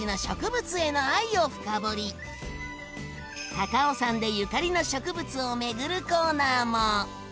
高尾山でゆかりの植物を巡るコーナーも。